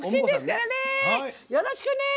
よろしくね！